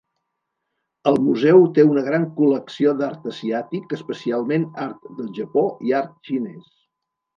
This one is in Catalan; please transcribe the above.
El museu té una gran col·lecció d'art asiàtic, especialment art del japó i art xinès.